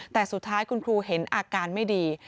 แต่สุดท้ายคุณครูเห็นอาการไม่ดี